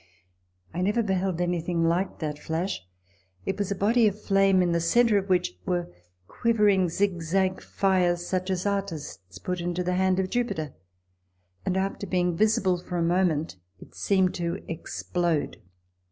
I never beheld anything like that flash : it was a body of flame, in the centre of which were quivering zigzag fires, such as artists put into the hand of Jupiter ; and, after being visible for a moment, it seemed to explode.